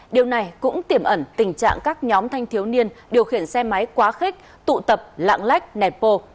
điều này cũng tiềm ẩn tình trạng các nhóm thanh thiếu niên điều khiển xe máy quá khích tụ tập lạng lách nẹp bô